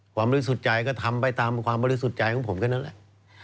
บริสุทธิ์ใจก็ทำไปตามความบริสุทธิ์ใจของผมแค่นั้นแหละ